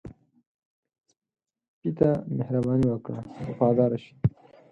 سپي ته مهرباني وکړه، وفاداره شي.